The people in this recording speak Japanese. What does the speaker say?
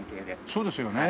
そうですよね。